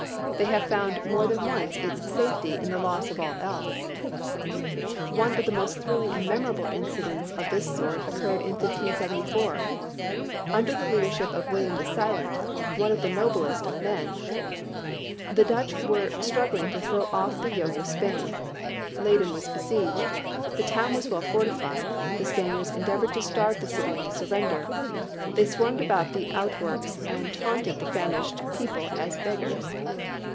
They have found more than once its safety in the loss of all else. One of the most thrilling and memorable incidents of the sort occurred in 1574. Under the leadership of William the Silent, one of the noblest of men, the Dutch [Illustration: THE RELIEF OF LEYDEN.] were struggling to throw off the yoke of Spain. Leyden was besieged. The town was well fortified. The Spaniards endeavored to starve the city into surrender. They swarmed about the outworks and taunted the famished people as "beggars."